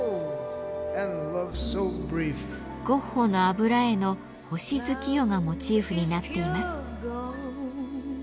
ゴッホの油絵の「星月夜」がモチーフになっています。